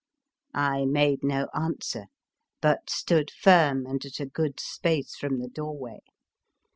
I made no answer, but stood firm and at a good space from the door way.